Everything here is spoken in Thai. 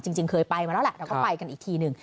จริงเคยไปมาแล้วแหละเราก็ไปกันอีกทีหนึ่ง